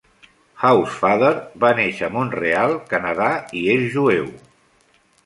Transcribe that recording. Housefather va néixer a Montreal, Canadà, i és jueu.